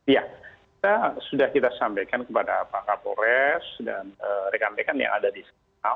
ya kita sudah kita sampaikan kepada pak kapolres dan rekan rekan yang ada di sana